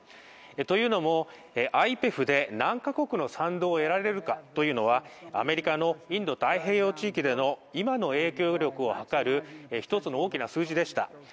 というのもＩＰＥＦで何カ国の賛同を得られるかというのはアメリカのインド太平洋地域での今の影響力を測る、一つの大きな数字でした。